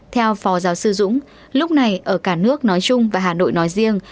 theo phó giáo sư dũng lúc này ở cả nước nói chung và hà nội nói riêng